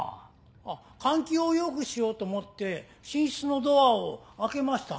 あっ換気を良くしようと思って寝室のドアを開けました。